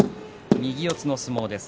右四つの相撲です。